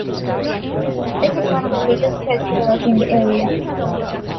It is one of the biggest festivals in the area.